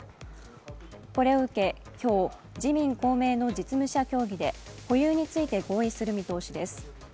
これを受け、今日、自民・公明の実務者協議で保有について合意する見通しです。